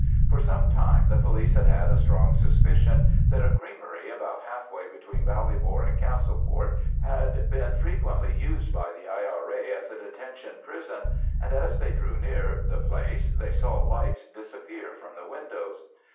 For some time the police had had a strong suspicion that a creamery about half way between Ballybor and Castleport had been frequently used by the I.R.A. as a detention prison, and as they drew near the place they saw lights disappear from the windows.